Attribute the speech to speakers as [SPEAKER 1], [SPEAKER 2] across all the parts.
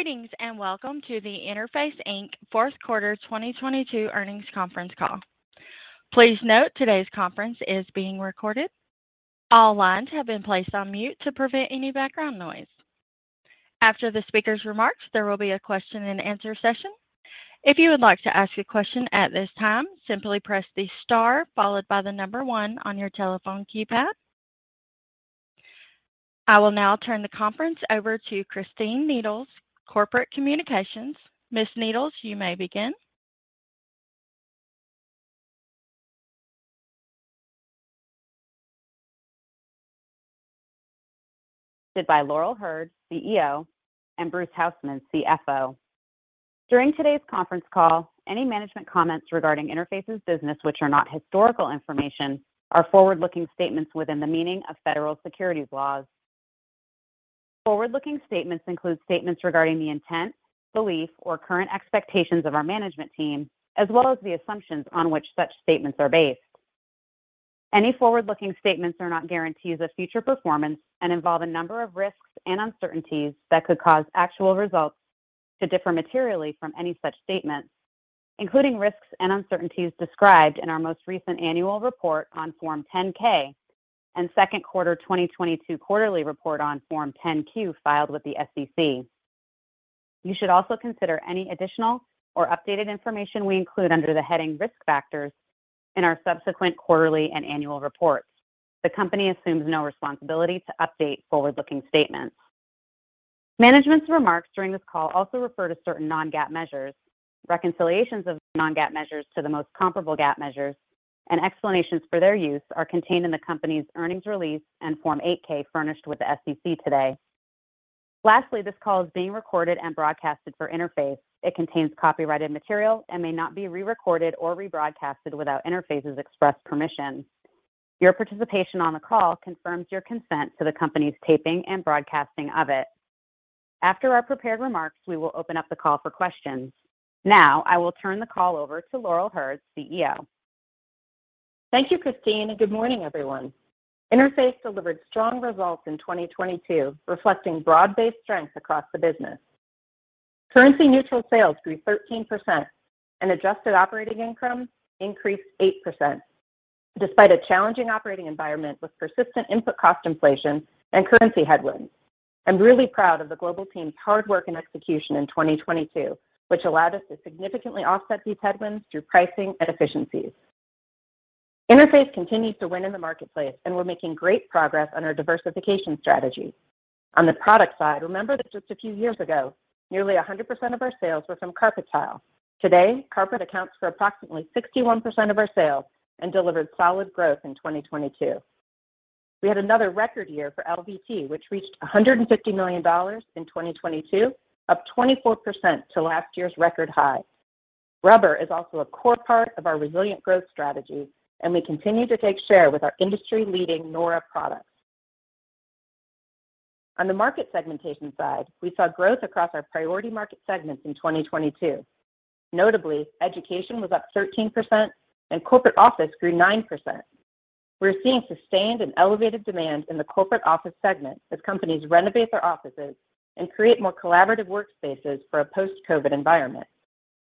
[SPEAKER 1] Greetings, and welcome to the Interface, Inc. fourth quarter 2022 earnings conference call. Please note today's conference is being recorded. All lines have been placed on mute to prevent any background noise. After the speaker's remarks, there will be a question and answer session. If you would like to ask a question at this time, simply press the star followed by the number one on your telephone keypad. I will now turn the conference over to Christine Needles, Corporate Communications. Ms. Needles, you may begin.
[SPEAKER 2] By Laurel Hurd, CEO, and Bruce Hausmann, CFO. During today's conference call, any management comments regarding Interface's business, which are not historical information, are forward-looking statements within the meaning of federal securities laws. Forward-looking statements include statements regarding the intent, belief, or current expectations of our management team, as well as the assumptions on which such statements are based. Any forward-looking statements are not guarantees of future performance and involve a number of risks and uncertainties that could cause actual results to differ materially from any such statements, including risks and uncertainties described in our most recent annual report on Form 10-K and second quarter 2022 quarterly report on Form 10-Q filed with the SEC. You should also consider any additional or updated information we include under the heading Risk Factors in our subsequent quarterly and annual reports. The company assumes no responsibility to update forward-looking statements. Management's remarks during this call also refer to certain non-GAAP measures. Reconciliations of non-GAAP measures to the most comparable GAAP measures and explanations for their use are contained in the company's earnings release and Form 8-K furnished with the SEC today. Lastly, this call is being recorded and broadcasted for Interface. It contains copyrighted material and may not be re-recorded or rebroadcasted without Interface's express permission. Your participation on the call confirms your consent to the company's taping and broadcasting of it. After our prepared remarks, we will open up the call for questions. Now I will turn the call over to Laurel Hurd, CEO.
[SPEAKER 3] Thank you, Christine. Good morning, everyone. Interface delivered strong results in 2022, reflecting broad-based strength across the business. Currency neutral sales grew 13% and adjusted operating income increased 8% despite a challenging operating environment with persistent input cost inflation and currency headwinds. I'm really proud of the global team's hard work and execution in 2022, which allowed us to significantly offset these headwinds through pricing and efficiencies. Interface continues to win in the marketplace, and we're making great progress on our diversification strategy. On the product side, remember that just a few years ago, nearly 100% of our sales were from carpet tile. Today, carpet accounts for approximately 61% of our sales and delivered solid growth in 2022. We had another record year for LVT, which reached $150 million in 2022, up 24% to last year's record high. We continue to take share with our industry-leading Nora products. On the market segmentation side, we saw growth across our priority market segments in 2022. Notably, education was up 13% and corporate office grew 9%. We're seeing sustained and elevated demand in the corporate office segment as companies renovate their offices and create more collaborative workspaces for a post-COVID environment.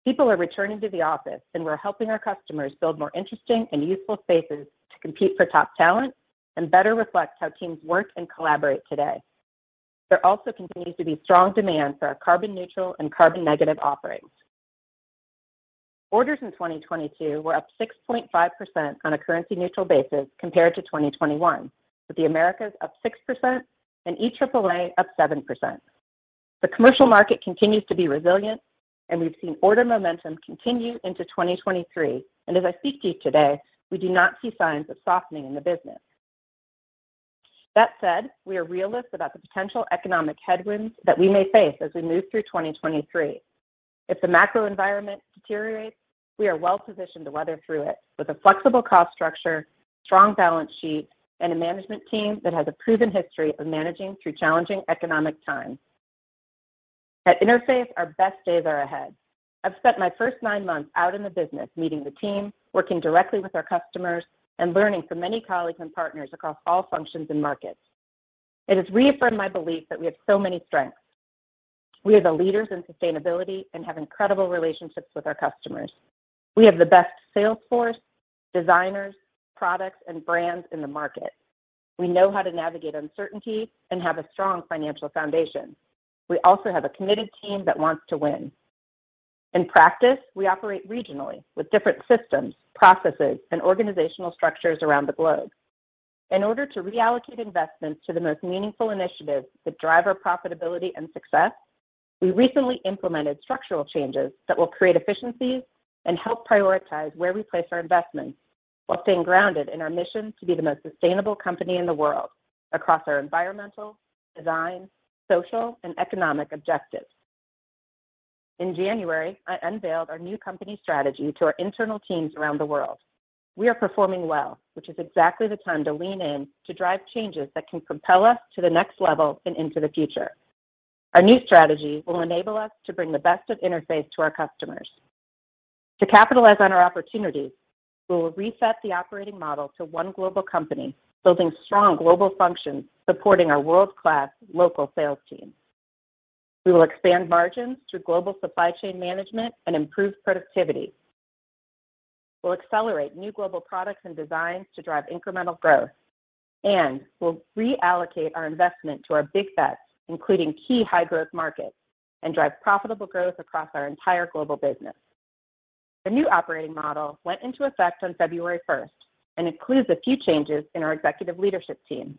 [SPEAKER 3] People are returning to the office, and we're helping our customers build more interesting and useful spaces to compete for top talent and better reflect how teams work and collaborate today. There also continues to be strong demand for our carbon neutral and carbon negative offerings. Orders in 2022 were up 6.5% on a currency neutral basis compared to 2021, with the Americas up 6% and EAAA up 7%. The commercial market continues to be resilient and we've seen order momentum continue into 2023. As I speak to you today, we do not see signs of softening in the business. That said, we are realists about the potential economic headwinds that we may face as we move through 2023. If the macro environment deteriorates, we are well positioned to weather through it with a flexible cost structure, strong balance sheet, and a management team that has a proven history of managing through challenging economic times. At Interface, our best days are ahead. I've spent my first nine months out in the business, meeting the team, working directly with our customers, and learning from many colleagues and partners across all functions and markets. It has reaffirmed my belief that we have so many strengths. We are the leaders in sustainability and have incredible relationships with our customers. We have the best sales force, designers, products, and brands in the market. We know how to navigate uncertainty and have a strong financial foundation. We also have a committed team that wants to win. In practice, we operate regionally with different systems, processes, and organizational structures around the globe. In order to reallocate investments to the most meaningful initiatives that drive our profitability and success, we recently implemented structural changes that will create efficiencies and help prioritize where we place our investments while staying grounded in our mission to be the most sustainable company in the world across our environmental, design, social, and economic objectives. In January, I unveiled our new company strategy to our internal teams around the world. We are performing well, which is exactly the time to lean in to drive changes that can compel us to the next level and into the future. Our new strategy will enable us to bring the best of Interface to our customers. To capitalize on our opportunities, we will reset the operating model to one global company, building strong global functions, supporting our world-class local sales teams. We will expand margins through global supply chain management and improve productivity. We'll accelerate new global products and designs to drive incremental growth, and we'll reallocate our investment to our big bets, including key high-growth markets, and drive profitable growth across our entire global business. The new operating model went into effect on February 1st and includes a few changes in our executive leadership team.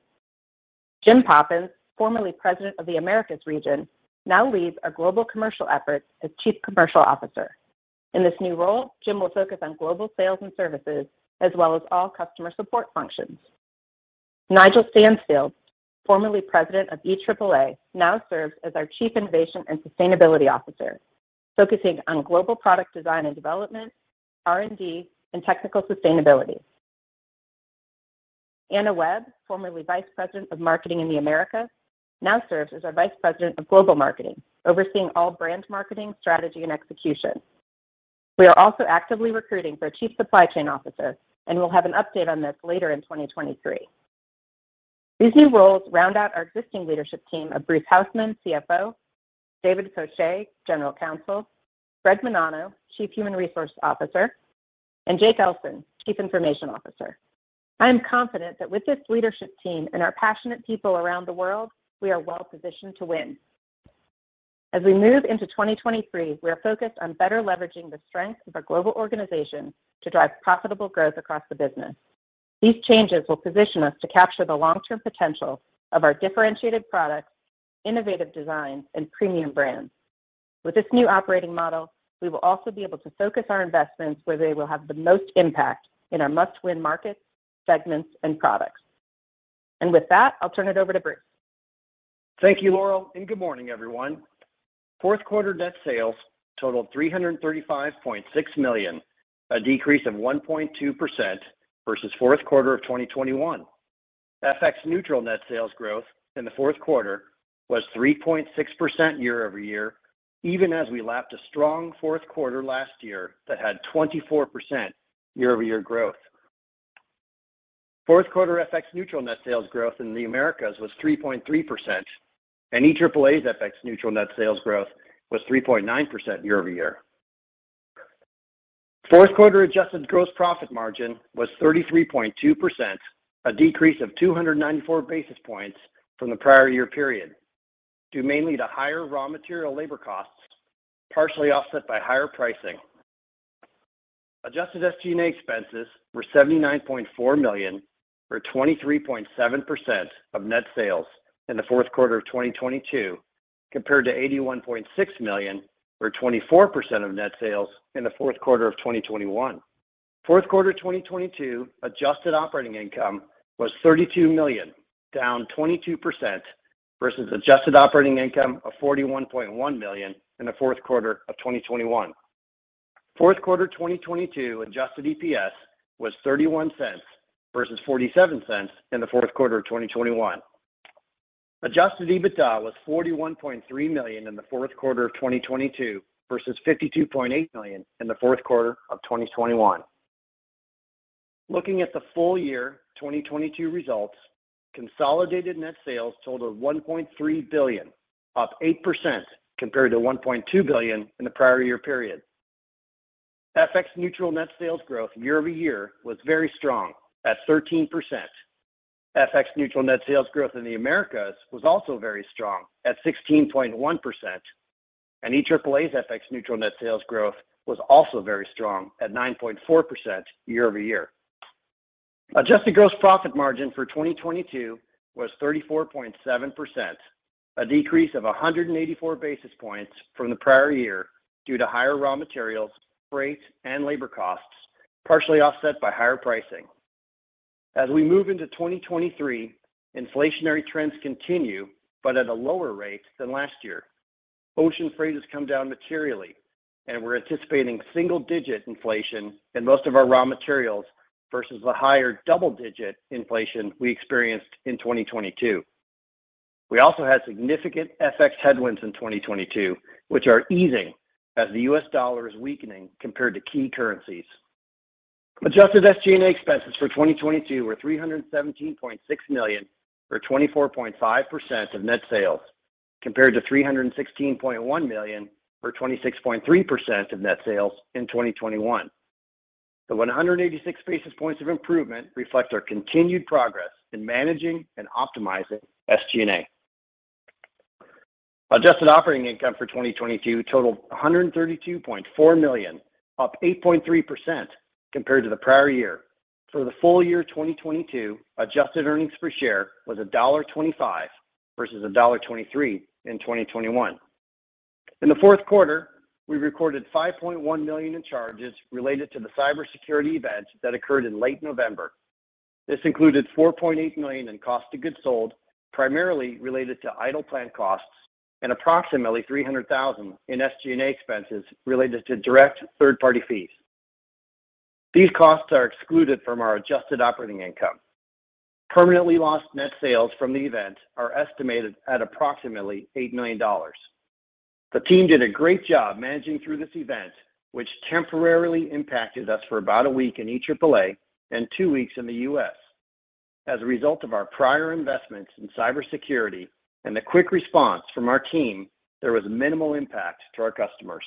[SPEAKER 3] Jim Poppens, formerly president of the Americas region, now leads our global commercial efforts as Chief Commercial Officer. In this new role, Jim will focus on global sales and services as well as all customer support functions. Nigel Stansfield, formerly president of EAAA, now serves as our Chief Innovation and Sustainability Officer, focusing on global product design and development, R&D, and technical sustainability. Anna Webb, formerly vice president of marketing in the Americas, now serves as our Vice President of Global Marketing, overseeing all brand marketing, strategy, and execution. We are also actively recruiting for chief supply chain officer, and we'll have an update on this later in 2023. These new roles round out our existing leadership team of Bruce Hausmann, CFO, David Foshee, General Counsel, Greg Minano, Chief Human Resources Officer, and Jake Elson, Chief Information Officer. I am confident that with this leadership team and our passionate people around the world, we are well-positioned to win. As we move into 2023, we are focused on better leveraging the strength of our global organization to drive profitable growth across the business. These changes will position us to capture the long-term potential of our differentiated products, innovative designs, and premium brands. With this new operating model, we will also be able to focus our investments where they will have the most impact in our must-win markets, segments, and products. With that, I'll turn it over to Bruce.
[SPEAKER 4] Thank you, Laurel. Good morning, everyone. Fourth quarter net sales totaled $335.6 million, a decrease of 1.2% versus fourth quarter of 2021. FX-neutral net sales growth in the fourth quarter was 3.6% year-over-year, even as we lapped a strong fourth quarter last year that had 24% year-over-year growth. Fourth quarter FX-neutral net sales growth in the Americas was 3.3%, and EAAA's FX-neutral net sales growth was 3.9% year-over-year. Fourth quarter adjusted gross profit margin was 33.2%, a decrease of 294 basis points from the prior year period, due mainly to higher raw material labor costs, partially offset by higher pricing. Adjusted SG&A expenses were $79.4 million, or 23.7% of net sales in the fourth quarter of 2022, compared to $81.6 million or 24% of net sales in the fourth quarter of 2021. Fourth quarter 2022 adjusted operating income was $32 million, down 22% versus adjusted operating income of $41.1 million in the fourth quarter of 2021. Fourth quarter 2022 Adjusted EPS was $0.31 versus $0.47 in the fourth quarter of 2021. Adjusted EBITDA was $41.3 million in the fourth quarter of 2022 versus $52.8 million in the fourth quarter of 2021. Looking at the full year 2022 results, consolidated net sales totaled $1.3 billion, up 8% compared to $1.2 billion in the prior year period. FX neutral net sales growth year-over-year was very strong at 13%. FX neutral net sales growth in the Americas was also very strong at 16.1%, and EAAA's FX neutral net sales growth was also very strong at 9.4% year-over-year. Adjusted gross profit margin for 2022 was 34.7%, a decrease of 184 basis points from the prior year due to higher raw materials, rates, and labor costs, partially offset by higher pricing. As we move into 2023, inflationary trends continue, but at a lower rate than last year. Ocean freight has come down materially, and we're anticipating single-digit inflation in most of our raw materials versus the higher double-digit inflation we experienced in 2022. We also had significant FX headwinds in 2022, which are easing as the US dollar is weakening compared to key currencies. Adjusted SG&A expenses for 2022 were $317.6 million or 24.5% of net sales, compared to $316.1 million or 26.3% of net sales in 2021. The 186 basis points of improvement reflect our continued progress in managing and optimizing SG&A. Adjusted operating income for 2022 totaled $132.4 million, up 8.3% compared to the prior year. For the full year 2022, adjusted earnings per share was $1.25 versus $1.23 in 2021. In the fourth quarter, we recorded $5.1 million in charges related to the cybersecurity event that occurred in late November. This included $4.8 million in cost of goods sold, primarily related to idle plant costs, and approximately $300,000 in SG&A expenses related to direct third-party fees. These costs are excluded from our adjusted operating income. Permanently lost net sales from the event are estimated at approximately $8 million. The team did a great job managing through this event, which temporarily impacted us for about one week in EAAA and one weeks in the US. As a result of our prior investments in cybersecurity and the quick response from our team, there was minimal impact to our customers.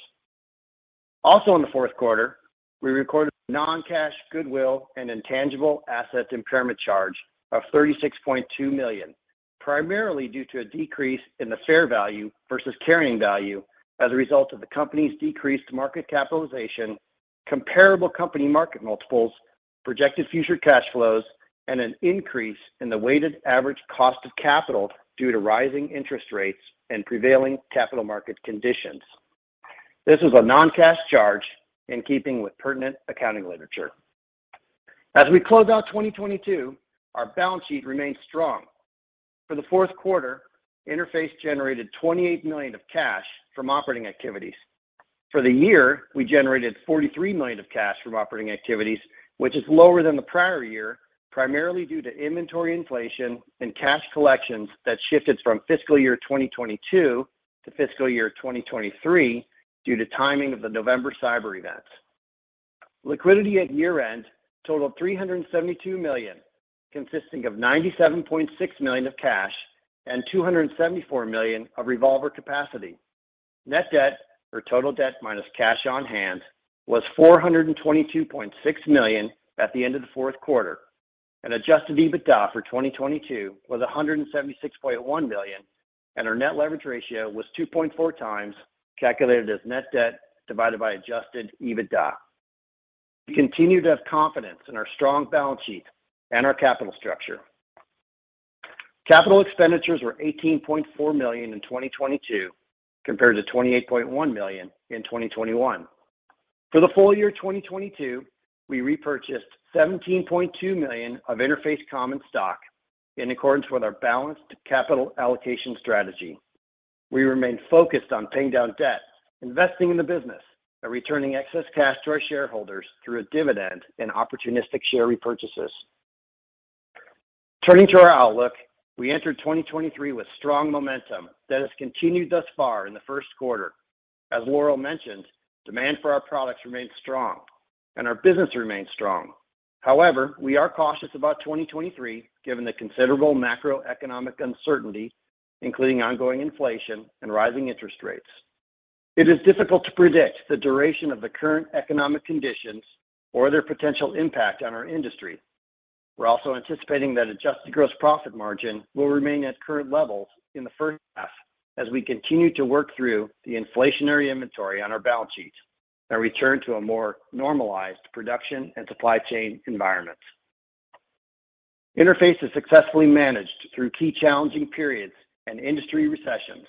[SPEAKER 4] In the fourth quarter, we recorded a non-cash goodwill and intangible asset impairment charge of $36.2 million, primarily due to a decrease in the fair value versus carrying value as a result of the company's decreased market capitalization, comparable company market multiples, projected future cash flows, and an increase in the weighted average cost of capital due to rising interest rates and prevailing capital market conditions. This was a non-cash charge in keeping with pertinent accounting literature. As we close out 2022, our balance sheet remains strong. For the fourth quarter, Interface generated $28 million of cash from operating activities. For the year, we generated $43 million of cash from operating activities, which is lower than the prior year, primarily due to inventory inflation and cash collections that shifted from fiscal year 2022 to fiscal year 2023 due to timing of the November cyber events. Liquidity at year-end totaled $372 million, consisting of $97.6 million of cash and $274 million of revolver capacity. Net debt, or total debt minus cash on hand, was $422.6 million at the end of the fourth quarter, and Adjusted EBITDA for 2022 was $176.1 million, and our net leverage ratio was 2.4x, calculated as net debt divided by Adjusted EBITDA. We continue to have confidence in our strong balance sheet and our capital structure. Capital expenditures were $18.4 million in 2022, compared to $28.1 million in 2021. For the full year 2022, we repurchased $17.2 million of Interface common stock in accordance with our balanced capital allocation strategy. We remain focused on paying down debt, investing in the business, and returning excess cash to our shareholders through a dividend and opportunistic share repurchases. Turning to our outlook, we entered 2023 with strong momentum that has continued thus far in the first quarter. As Laurel mentioned, demand for our products remains strong, and our business remains strong. However, we are cautious about 2023, given the considerable macroeconomic uncertainty, including ongoing inflation and rising interest rates. It is difficult to predict the duration of the current economic conditions or their potential impact on our industry. We're also anticipating that adjusted gross profit margin will remain at current levels in the first half as we continue to work through the inflationary inventory on our balance sheet and return to a more normalized production and supply chain environment. Interface has successfully managed through key challenging periods and industry recessions,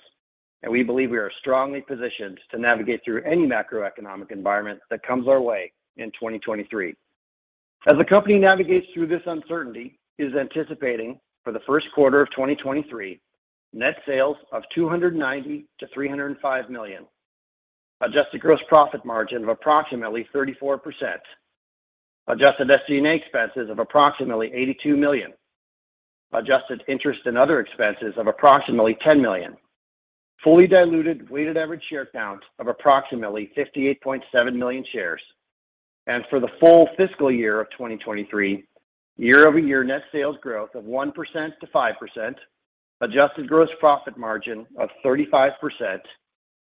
[SPEAKER 4] we believe we are strongly positioned to navigate through any macroeconomic environment that comes our way in 2023. As the company navigates through this uncertainty, it is anticipating for the first quarter of 2023 net sales of $290 million-$305 million, adjusted gross profit margin of approximately 34%, adjusted SG&A expenses of approximately $82 million, adjusted interest and other expenses of approximately $10 million, fully diluted weighted average share count of approximately 58.7 million shares, and for the full fiscal year of 2023, year-over-year net sales growth of 1%-5%, adjusted gross profit margin of 35%,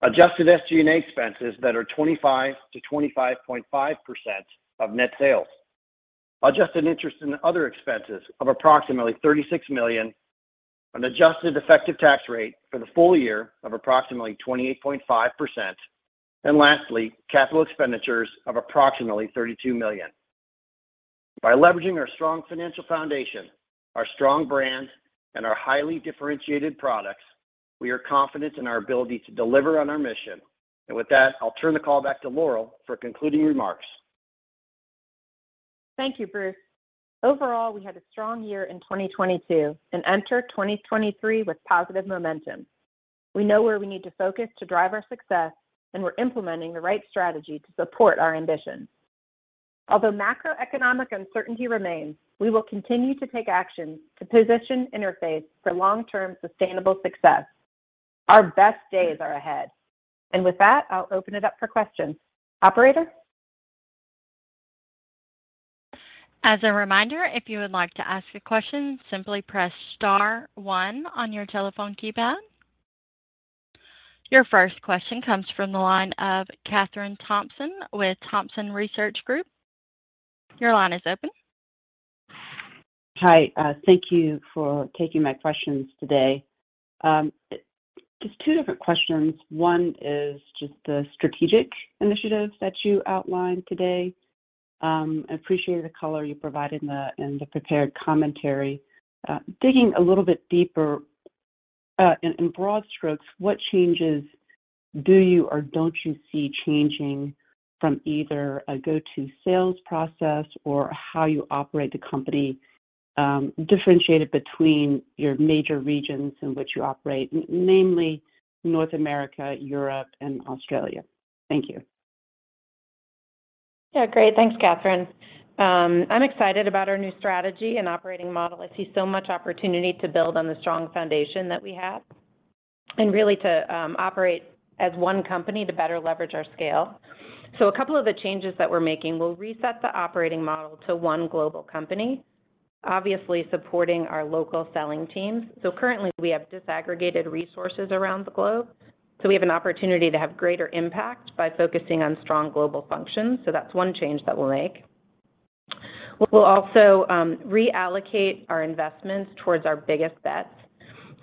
[SPEAKER 4] adjusted SG&A expenses that are 25%-25.5% of net sales, adjusted interest and other expenses of approximately $36 million, an adjusted effective tax rate for the full year of approximately 28.5%, and lastly, capital expenditures of approximately $32 million. By leveraging our strong financial foundation, our strong brand, and our highly differentiated products, we are confident in our ability to deliver on our mission. With that, I'll turn the call back to Laurel for concluding remarks.
[SPEAKER 3] Thank you, Bruce. Overall, we had a strong year in 2022 and entered 2023 with positive momentum. We know where we need to focus to drive our success, and we're implementing the right strategy to support our ambitions. Although macroeconomic uncertainty remains, we will continue to take action to position Interface for long-term sustainable success. Our best days are ahead. With that, I'll open it up for questions. Operator?
[SPEAKER 1] As a reminder, if you would like to ask a question, simply press star one on your telephone keypad. Your first question comes from the line of Kathryn Thompson with Thompson Research Group. Your line is open.
[SPEAKER 5] Hi. Thank you for taking my questions today. Just two different questions. One is just the strategic initiatives that you outlined today. I appreciate the color you provided in the prepared commentary. Digging a little bit deeper, in broad strokes, what changes do you or don't you see changing from either a go-to sales process or how you operate the company? Differentiate it between your major regions in which you operate, namely North America, Europe, and Australia. Thank you.
[SPEAKER 3] Yeah, great. Thanks, Kathryn. I'm excited about our new strategy and operating model. I see so much opportunity to build on the strong foundation that we have, and really to operate as one company to better leverage our scale. A couple of the changes that we're making, we'll reset the operating model to one global company, obviously supporting our local selling teams. Currently, we have disaggregated resources around the globe, so we have an opportunity to have greater impact by focusing on strong global functions. That's one change that we'll make. We'll also reallocate our investments towards our biggest bets.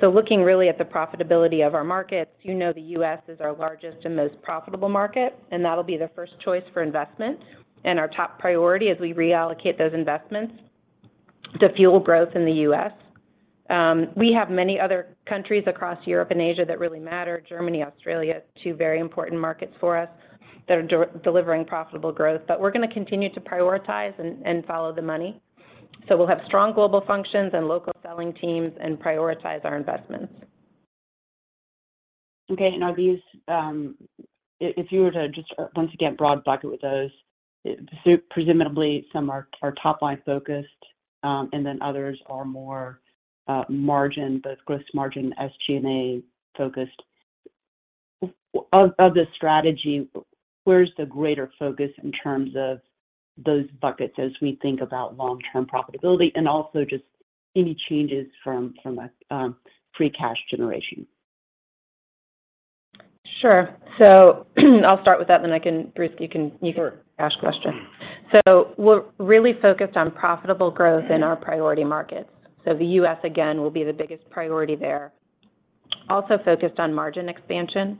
[SPEAKER 3] Looking really at the profitability of our markets, you know the U.S. is our largest and most profitable market, and that'll be the first choice for investment and our top priority as we reallocate those investments to fuel growth in the U.S. We have many other countries across Europe and Asia that really matter. Germany, Australia, two very important markets for us that are delivering profitable growth. We're gonna continue to prioritize and follow the money. We'll have strong global functions and local selling teams and prioritize our investments.
[SPEAKER 5] Okay. Now these, if you were to just once again broad bucket with those, presumably some are top-line focused, and then others are more, margin, both gross margin, SG&A-focused. Of the strategy, where's the greater focus in terms of those buckets as we think about long-term profitability? Also just any changes from a free cash generation?
[SPEAKER 3] Sure. I'll start with that. Bruce, you can.
[SPEAKER 4] Sure...
[SPEAKER 3] ask questions. We're really focused on profitable growth in our priority markets. The US, again, will be the biggest priority there. Also focused on margin expansion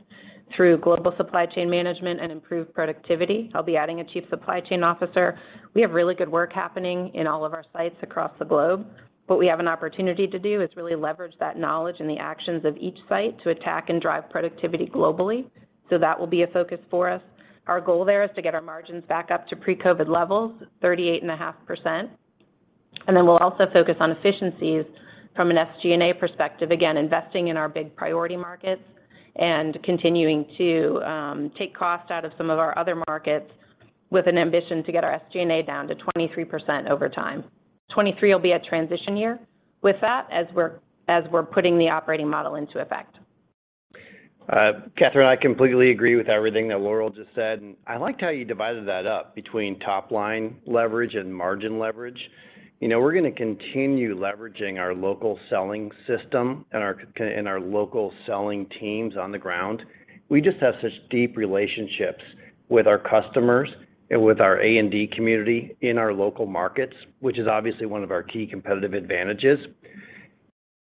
[SPEAKER 3] through global supply chain management and improved productivity. I'll be adding a chief supply chain officer. We have really good work happening in all of our sites across the globe. What we have an opportunity to do is really leverage that knowledge and the actions of each site to attack and drive productivity globally. That will be a focus for us. Our goal there is to get our margins back up to pre-COVID levels, 38.5%. We'll also focus on efficiencies from an SG&A perspective, again, investing in our big priority markets and continuing to take cost out of some of our other markets with an ambition to get our SG&A down to 23% over time. 2023 will be a transition year with that as we're putting the operating model into effect.
[SPEAKER 4] Kathryn, I completely agree with everything that Laurel just said, and I liked how you divided that up between top-line leverage and margin leverage. You know, we're gonna continue leveraging our local selling system and our local selling teams on the ground. We just have such deep relationships with our customers and with our A&D community in our local markets, which is obviously one of our key competitive advantages.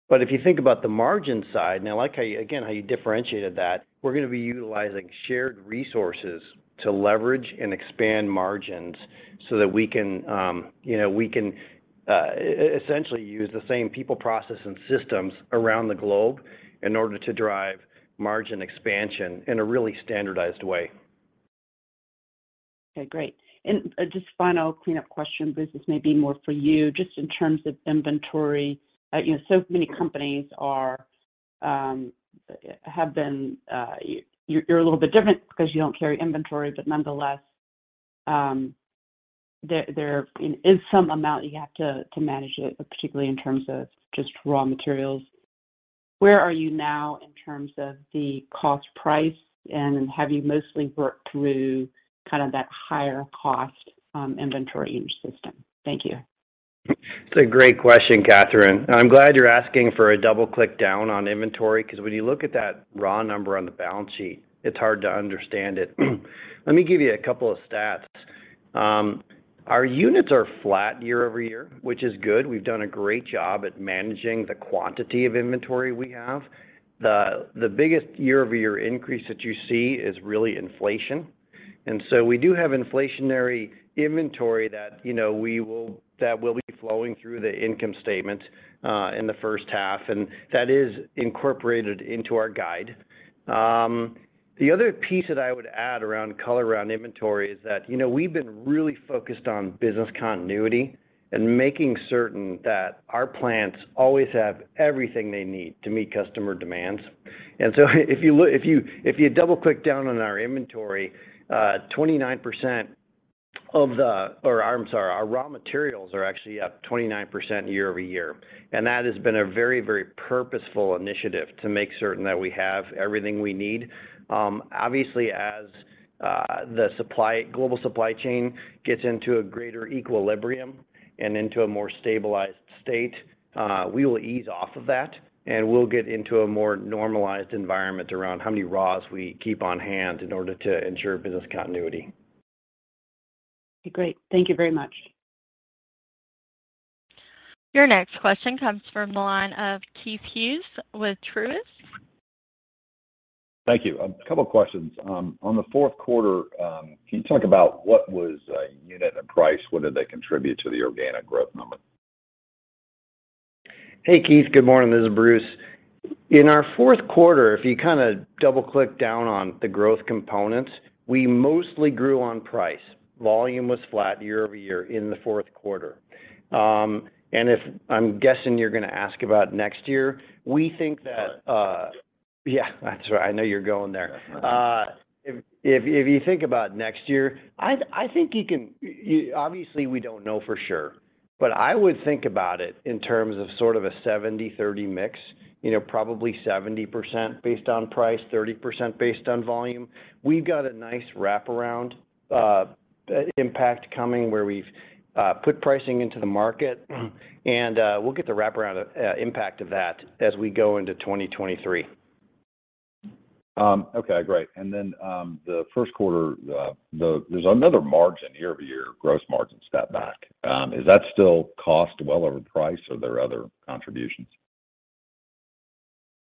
[SPEAKER 4] If you think about the margin side, and I like how you, again, how you differentiated that, we're gonna be utilizing shared resources to leverage and expand margins so that we can, you know, we can essentially use the same people, process, and systems around the globe in order to drive margin expansion in a really standardized way.
[SPEAKER 5] Okay, great. Just final cleanup question. Bruce, this may be more for you. Just in terms of inventory, you know, so many companies are have been. You're a little bit different because you don't carry inventory, but nonetheless, there is some amount you have to manage it, particularly in terms of just raw materials. Where are you now in terms of the cost price, and have you mostly worked through kind of that higher cost inventory in your system? Thank you.
[SPEAKER 4] It's a great question, Kathryn. I'm glad you're asking for a double-click down on inventory, 'cause when you look at that raw number on the balance sheet, it's hard to understand it. Let me give you a couple of stats. Our units are flat year-over-year, which is good. We've done a great job at managing the quantity of inventory we have. The biggest year-over-year increase that you see is really inflation. So we do have inflationary inventory that, you know, that will be flowing through the income statement in the first half, and that is incorporated into our guide. The other piece that I would add around color around inventory is that, you know, we've been really focused on business continuity and making certain that our plants always have everything they need to meet customer demands. If you double-click down on our inventory, 29% of the... Or I'm sorry, our raw materials are actually up 29% year-over-year. That has been a very, very purposeful initiative to make certain that we have everything we need. Obviously as the global supply chain gets into a greater equilibrium and into a more stabilized state, we will ease off of that, and we'll get into a more normalized environment around how many raws we keep on hand in order to ensure business continuity.
[SPEAKER 5] Okay, great. Thank you very much.
[SPEAKER 1] Your next question comes from the line of Keith Hughes with Truist.
[SPEAKER 6] Thank you. A couple questions. On the fourth quarter, can you talk about what was unit and price? What did they contribute to the organic growth number?
[SPEAKER 4] Hey, Keith. Good morning. This is Bruce. In our fourth quarter, if you kind of double-click down on the growth components, we mostly grew on price. Volume was flat year-over-year in the fourth quarter. If I'm guessing you're gonna ask about next year, we think that,
[SPEAKER 6] Right.
[SPEAKER 4] Yeah, that's right. I know you're going there. If you think about next year, I think you can obviously we don't know for sure, but I would think about it in terms of sort of a 70-30 mix. You know, probably 70% based on price, 30% based on volume. We've got a nice wraparound impact coming, where we've put pricing into the market, and we'll get the wraparound impact of that as we go into 2023.
[SPEAKER 6] Okay. Great. The first quarter, there's another margin, year-over-year gross margin step back. Is that still cost well over the price, or are there other contributions?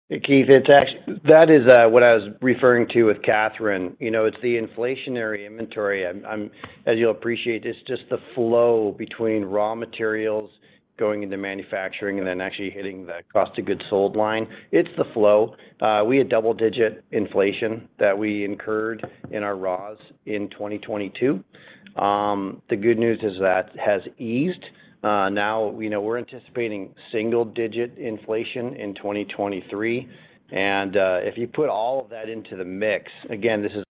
[SPEAKER 4] Hey, Keith, that is what I was referring to with Kathryn. You know, it's the inflationary inventory. As you'll appreciate, it's just the flow between raw materials going into manufacturing and then actually hitting the cost of goods sold line. It's the flow. We had double-digit inflation that we incurred in our raws in 2022. The good news is that has eased. Now, you know, we're anticipating single-digit inflation in 2023. If you put all of that into the mix, again, this is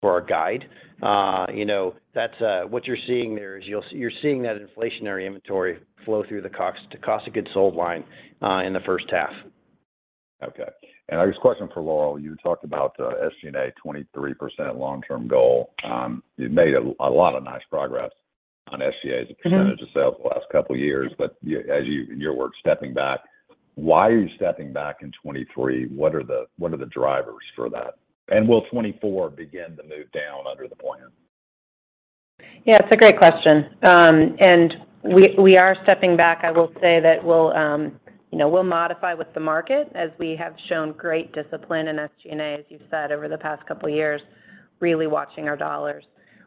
[SPEAKER 4] for our guide, you know, that's what you're seeing there is you're seeing that inflationary inventory flow through the cost of goods sold line in the first half.
[SPEAKER 6] Okay. This question is for Laurel. You talked about SG&A 23% long-term goal. You made a lot of nice progress on SG&A as a percentage of sales the last couple years.
[SPEAKER 3] Mm-hmm.
[SPEAKER 6] As you in your work stepping back, why are you stepping back in 2023? What are the drivers for that? Will 2024 begin to move down under the plan?
[SPEAKER 3] Yeah, it's a great question. We, we are stepping back. I will say that we'll, you know, modify with the market as we have shown great discipline in SG&A, as you've said, over the past couple years, really watching our dollars.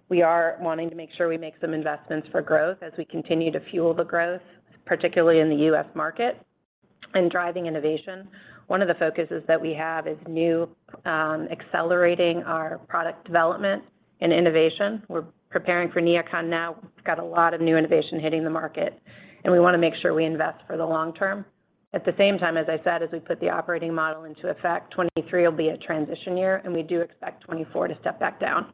[SPEAKER 3] We are wanting to make sure we make some investments for growth as we continue to fuel the growth, particularly in the U.S. market, and driving innovation. One of the focuses that we have is new, accelerating our product development and innovation. We're preparing for NeoCon now. We've got a lot of new innovation hitting the market, and we wanna make sure we invest for the long term. At the same time, as I said, as we put the operating model into effect, 2023 will be a transition year, and we do expect 2024 to step back down.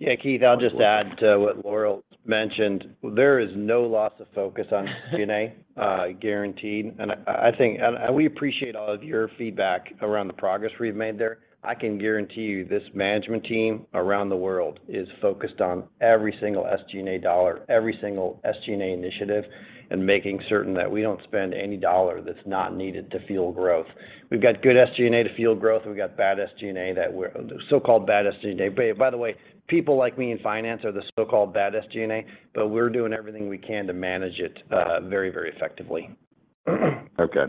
[SPEAKER 4] Yeah, Keith, I'll just add to what Laurel mentioned. There is no loss of focus on SG&A, guaranteed. I think, and we appreciate all of your feedback around the progress we've made there. I can guarantee you this management team around the world is focused on every single SG&A dollar, every single SG&A initiative, and making certain that we don't spend any dollar that's not needed to fuel growth. We've got good SG&A to fuel growth, and we've got bad SG&A, the so-called bad SG&A. By the way, people like me in finance are the so-called bad SG&A, but we're doing everything we can to manage it very, very effectively.
[SPEAKER 6] Okay.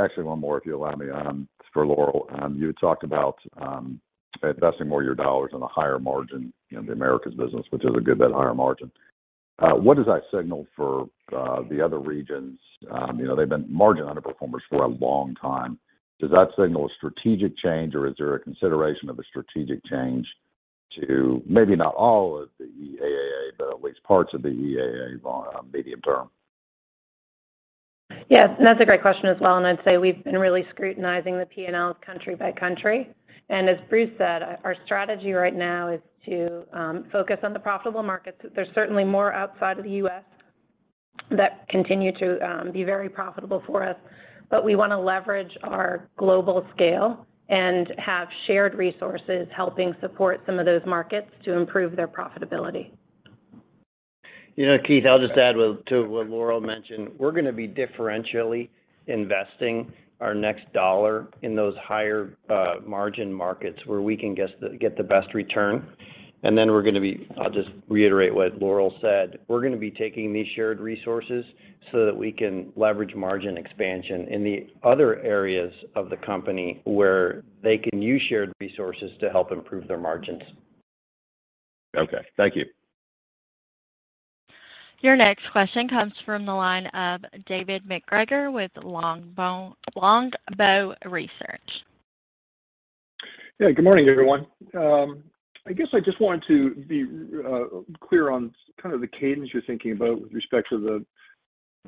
[SPEAKER 6] Actually one more, if you allow me, for Laurel. You had talked about investing more of your dollars on a higher margin in the Americas business, which is a good bit higher margin. What does that signal for the other regions? You know, they've been margin underperformers for a long time. Does that signal a strategic change, or is there a consideration of a strategic change to maybe not all of the EAAA, but at least parts of the EAAA medium term?
[SPEAKER 3] Yes, that's a great question as well, and I'd say we've been really scrutinizing the P&Ls country by country. As Bruce said, our strategy right now is to focus on the profitable markets. There's certainly more outside of the U.S. that continue to be very profitable for us, but we wanna leverage our global scale and have shared resources helping support some of those markets to improve their profitability.
[SPEAKER 4] You know, Keith, I'll just add to what Laurel mentioned. We're gonna be differentially investing our next dollar in those higher margin markets where we can get the best return. I'll just reiterate what Laurel said. We're gonna be taking these shared resources so that we can leverage margin expansion in the other areas of the company where they can use shared resources to help improve their margins.
[SPEAKER 6] Okay. Thank you.
[SPEAKER 1] Your next question comes from the line of David MacGregor with Longbow Research.
[SPEAKER 7] Yeah. Good morning, everyone. I guess I just wanted to be clear on kind of the cadence you're thinking about with respect to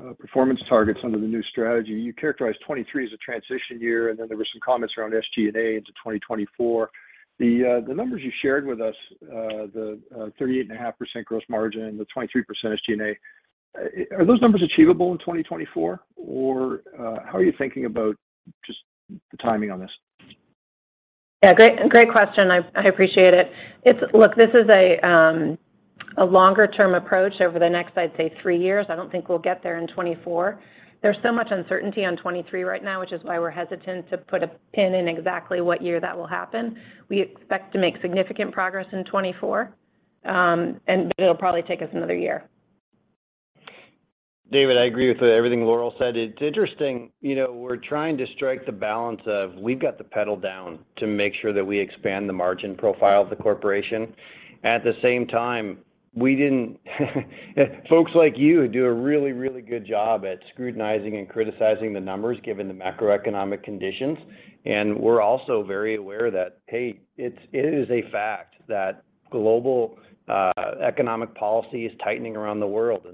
[SPEAKER 7] the performance targets under the new strategy. You characterized 2023 as a transition year. Then there were some comments around SG&A into 2024. The numbers you shared with us, the 38.5% gross margin and the 23% SG&A, are those numbers achievable in 2024, or how are you thinking about just the timing on this?
[SPEAKER 3] Yeah. Great question. I appreciate it. It's. This is a longer-term approach over the next, I'd say, three years. I don't think we'll get there in 2024. There's so much uncertainty on 2023 right now, which is why we're hesitant to put a pin in exactly what year that will happen. We expect to make significant progress in 2024, but it'll probably take us another year.
[SPEAKER 4] David, I agree with everything Laurel said. It's interesting. You know, we're trying to strike the balance of we've got the pedal down to make sure that we expand the margin profile of the corporation. At the same time, we didn't folks like you do a really good job at scrutinizing and criticizing the numbers given the macroeconomic conditions, and we're also very aware that, hey, it is a fact that global economic policy is tightening around the world.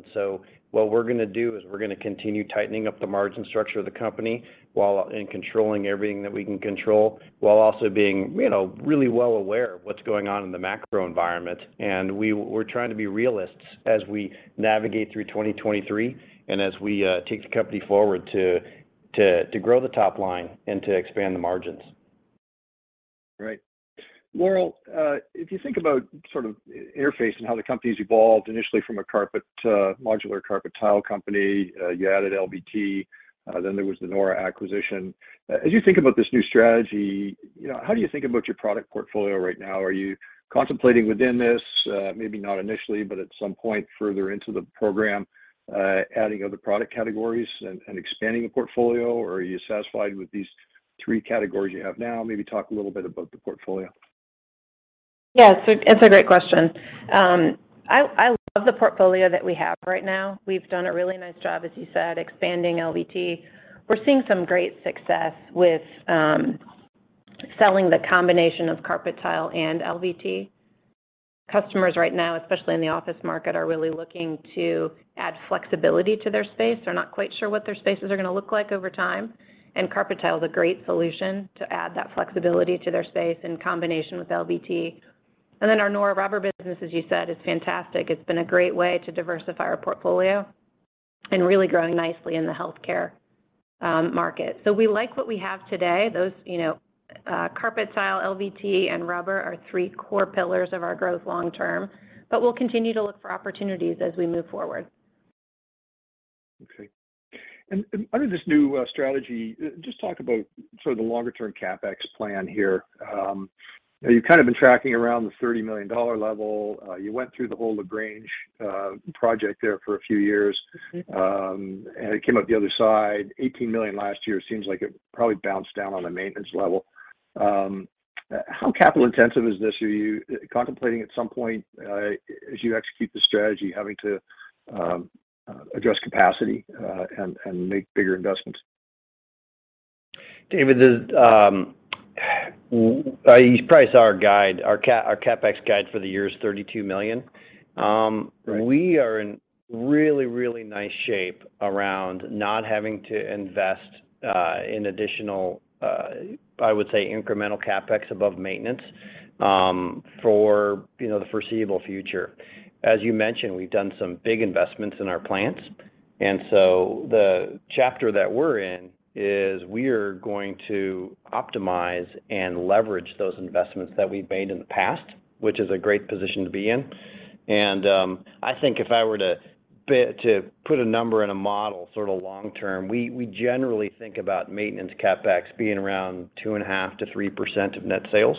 [SPEAKER 4] What we're gonna do is we're gonna continue tightening up the margin structure of the company and controlling everything that we can control, while also being, you know, really well aware of what's going on in the macro environment. We're trying to be realists as we navigate through 2023, as we take the company forward to grow the top line and to expand the margins.
[SPEAKER 7] Right. Laurel, if you think about sort of Interface and how the company's evolved initially from a carpet to modular carpet tile company, you added LVT, then there was the Nora acquisition. As you think about this new strategy, you know, how do you think about your product portfolio right now? Are you contemplating within this, maybe not initially, but at some point further into the program, adding other product categories and expanding the portfolio, or are you satisfied with these three categories you have now? Maybe talk a little bit about the portfolio.
[SPEAKER 3] Yes, it's a great question. I love the portfolio that we have right now. We've done a really nice job, as you said, expanding LVT. We're seeing some great success with selling the combination of carpet tile and LVT. Customers right now, especially in the office market, are really looking to add flexibility to their space. They're not quite sure what their spaces are gonna look like over time. Carpet tile is a great solution to add that flexibility to their space in combination with LVT. Our Nora rubber business, as you said, is fantastic. It's been a great way to diversify our portfolio and really growing nicely in the healthcare market. We like what we have today. Those, you know, carpet tile, LVT, and rubber are three core pillars of our growth long term, but we'll continue to look for opportunities as we move forward.
[SPEAKER 7] Okay. Under this new strategy, just talk about sort of the longer term CapEx plan here. You've kind of been tracking around the $30 million level. You went through the whole LaGrange project there for a few years.
[SPEAKER 3] Mm-hmm.
[SPEAKER 7] It came up the other side, $18 million last year. Seems like it probably bounced down on the maintenance level. How capital intensive is this? Are you contemplating at some point, as you execute the strategy, having to address capacity and make bigger investments?
[SPEAKER 4] David, the, you price our guide, our CapEx guide for the year is $32 million.
[SPEAKER 7] Right.
[SPEAKER 4] We are in really, really nice shape around not having to invest in additional, I would say incremental CapEx above maintenance, for, you know, the foreseeable future. As you mentioned, we've done some big investments in our plants, the chapter that we're in is we're going to optimize and leverage those investments that we've made in the past, which is a great position to be in. I think if I were to put a number and a model sort of long term, we generally think about maintenance CapEx being around 2.5%-3% of net sales,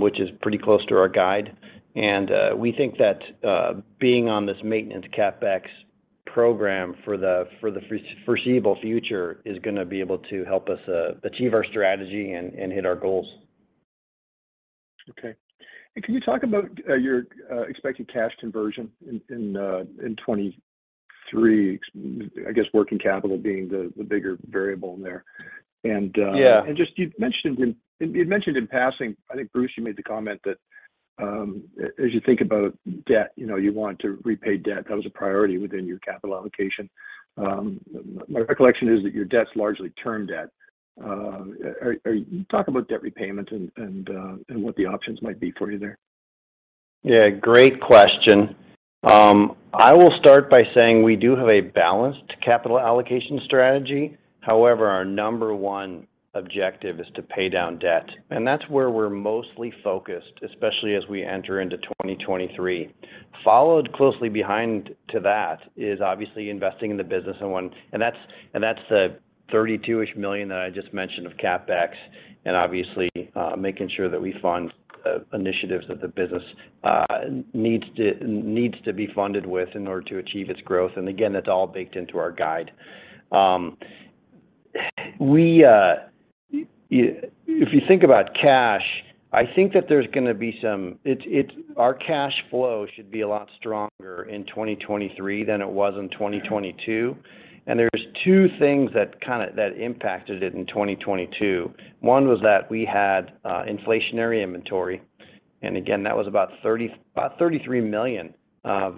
[SPEAKER 4] which is pretty close to our guide. We think that, being on this maintenance CapEx program for the foreseeable future is gonna be able to help us achieve our strategy and hit our goals.
[SPEAKER 7] Okay. Can you talk about your expected cash conversion in 2023, I guess working capital being the bigger variable in there.
[SPEAKER 4] Yeah.
[SPEAKER 7] Just you'd mentioned in passing, I think Bruce, you made the comment that, as you think about debt, you know, you want to repay debt. That was a priority within your capital allocation. My recollection is that your debt's largely term debt. Talk about debt repayment and what the options might be for you there.
[SPEAKER 4] Yeah, great question. I will start by saying we do have a balanced capital allocation strategy. However, our number one objective is to pay down debt. That's where we're mostly focused, especially as we enter into 2023. Followed closely behind to that is obviously investing in the business in one. That's the $32-ish million that I just mentioned of CapEx, and obviously, making sure that we fund initiatives that the business needs to be funded with in order to achieve its growth. Again, that's all baked into our guide. If you think about cash, I think that there's gonna be some. Our cash flow should be a lot stronger in 2023 than it was in 2022. There's two things that impacted it in 2022. One was that we had inflationary inventory. Again, that was about $33 million of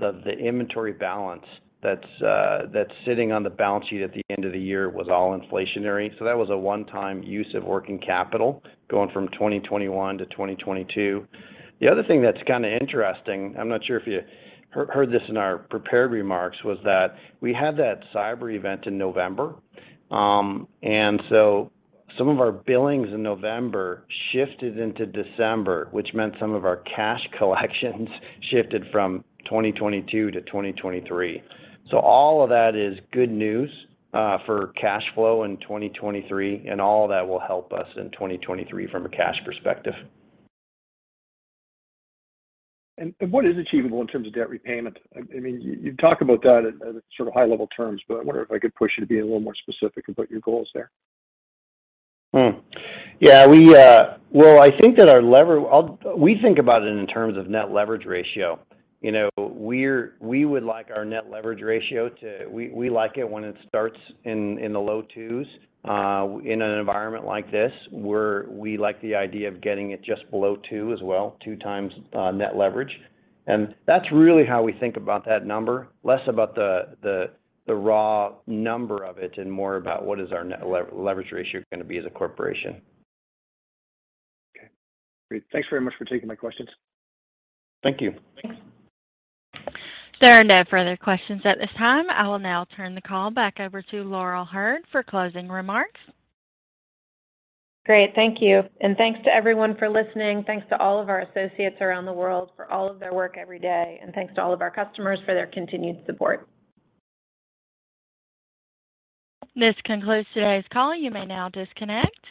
[SPEAKER 4] the inventory balance that's sitting on the balance sheet at the end of the year was all inflationary. That was a one-time use of working capital going from 2021 to 2022. The other thing that's kind of interesting, I'm not sure if you heard this in our prepared remarks, was that we had that cyber event in November. Some of our billings in November shifted into December, which meant some of our cash collections shifted from 2022 to 2023. All of that is good news for cash flow in 2023, and all of that will help us in 2023 from a cash perspective.
[SPEAKER 7] What is achievable in terms of debt repayment? I mean, you talk about that at a sort of high-level terms, but I wonder if I could push you to be a little more specific about your goals there.
[SPEAKER 4] Yeah, we think about it in terms of net leverage ratio. You know, we would like our net leverage ratio to we like it when it starts in the low two's. In an environment like this, we like the idea of getting it just below two as well, 2x net leverage. That's really how we think about that number. Less about the raw number of it and more about what is our net leverage ratio gonna be as a corporation.
[SPEAKER 7] Okay. Great. Thanks very much for taking my questions.
[SPEAKER 4] Thank you.
[SPEAKER 3] Thanks.
[SPEAKER 1] There are no further questions at this time. I will now turn the call back over to Laurel Hurd for closing remarks.
[SPEAKER 3] Great. Thank you. Thanks to everyone for listening. Thanks to all of our associates around the world for all of their work every day, thanks to all of our customers for their continued support.
[SPEAKER 1] This concludes today's call. You may now disconnect.